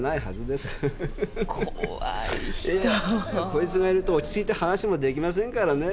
こいつがいると落ち着いて話もできませんからね。